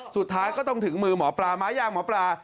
สุดท้ายก็ต้องถึงมือหมอปลาไม้ย่างหมอปลา